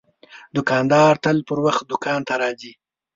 دوکاندار تل پر وخت دوکان ته راځي.